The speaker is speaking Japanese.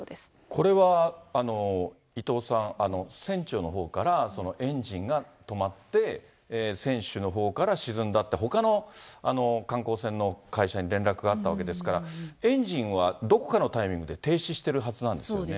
これは伊藤さん、船長のほうから、エンジンが止まって船首のほうから沈んだって、ほかの観光船の会社に連絡があったわけですから、エンジンはどこかのタイミングで停止してるはずなんですよね。